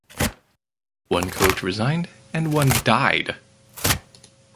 One coach resigned and one died.